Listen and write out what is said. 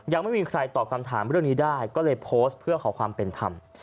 ยังไม่มีใครตอบคำถามเรื่องนี้ได้ก็เลยโพสต์เพื่อขอความเป็นธรรม